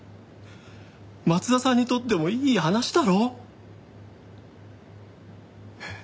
松田さんにとってもいい話だろ？えっ？